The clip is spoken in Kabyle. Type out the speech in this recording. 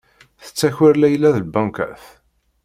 Tettaker Layla lbankat.